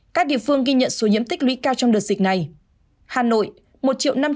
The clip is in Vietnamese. các địa phương ghi nhận số nhiễm tích lũy cao trong đợt dịch này